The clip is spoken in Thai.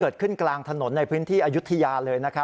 เกิดขึ้นกลางถนนในพื้นที่อยุธยาเลยนะครับ